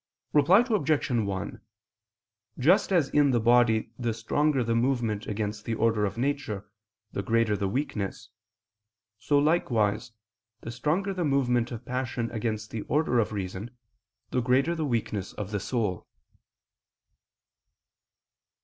Reply Obj. 1: Just as in the body the stronger the movement against the order of nature, the greater the weakness, so likewise, the stronger the movement of passion against the order of reason, the greater the weakness of the soul.